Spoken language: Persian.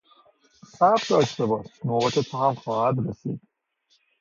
صبر داشته باش، نوبت تو هم خواهد رسید.